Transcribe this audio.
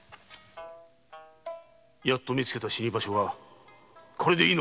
やっとみつけた死に場所がこれでいいのか！